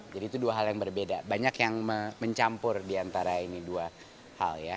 jadi itu dua hal yang berbeda banyak yang mencampur diantara ini dua hal ya